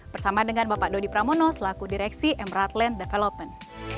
bersama dengan bapak dodi pramono selaku direksi emerald land development